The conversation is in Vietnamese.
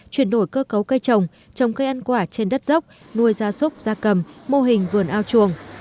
chuyển đổi cơ cấu cây trồng trồng cây ăn quả trên đất dốc nuôi gia súc gia cầm mô hình vườn ao chuồng